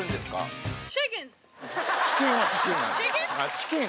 チキン！